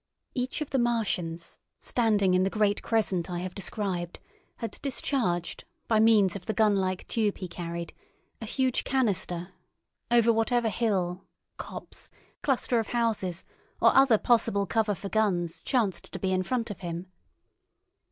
Each of the Martians, standing in the great crescent I have described, had discharged, by means of the gunlike tube he carried, a huge canister over whatever hill, copse, cluster of houses, or other possible cover for guns, chanced to be in front of him.